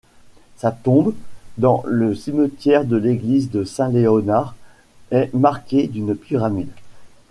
Sa tombe, dans le cimetière de l'église de St Leonards, est marquée d'une pyramide.